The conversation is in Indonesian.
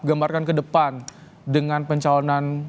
gambarkan ke depan dengan pencalonan